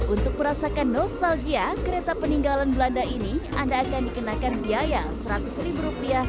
untuk merasakan nostalgia kereta peninggalan belanda ini anda akan dikenakan biaya rp seratus